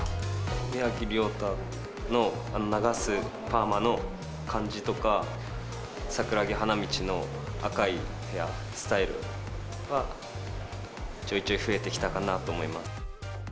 宮城リョータの流すパーマの感じとか、桜木花道の赤いヘアスタイルは、ちょいちょい増えてきたかなと思います。